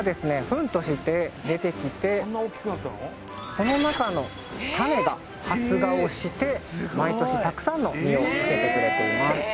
フンとして出てきてその中の種が発芽をして毎年たくさんの実をつけてくれています